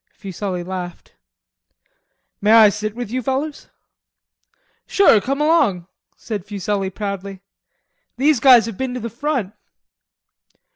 Fuselli laughed. "May I sit with you fellers?" "Sure, come along," said Fuselli proudly, "these guys have been to the front."